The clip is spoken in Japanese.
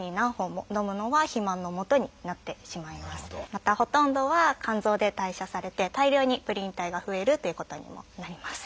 またほとんどは肝臓で代謝されて大量にプリン体が増えるっていうことにもなります。